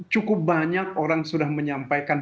cukup banyak orang sudah menyampaikan